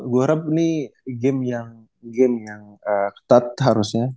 gue harap ini game yang ketat harusnya